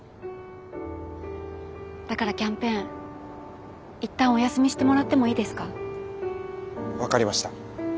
だからキャンペーンいったんお休みしてもらってもいいですか？分かりました。